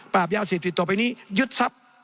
ปราบยาสิบทิศต่อไปนี้ยึดซับ